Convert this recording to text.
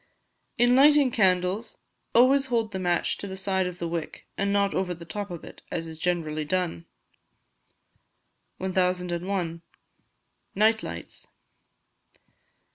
In lighting candles always hold the match to the side of the wick, and not over the top of it, as is generally done. 1001. Night Lights.